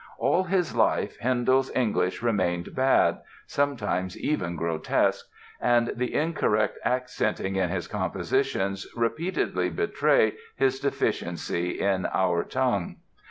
All his life Handel's English remained bad, sometimes even grotesque, and the incorrect accenting in his compositions repeatedly betray his deficiencies in our tongue.